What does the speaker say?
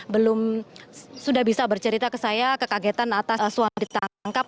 belum sudah bisa bercerita ke saya kekagetan atas suami ditangkap